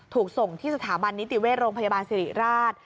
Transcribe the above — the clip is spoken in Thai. ถูกส่งที่สถาบันนิติเวชโรงพยาบาลสิริราช